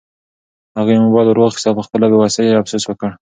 هغې موبایل ورواخیست او په خپله بې وسۍ یې افسوس وکړ.